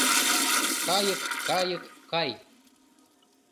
Кайык-кайык, кай